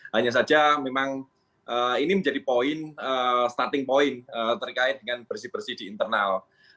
hanya saja memang ini menjadi poin starting point terkait dengan bersih bersih di internal